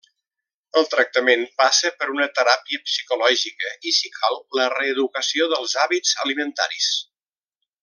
El tractament passa per una teràpia psicològica i si cal la reeducació dels hàbits alimentaris.